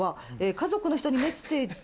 「家族の人にメッセージ」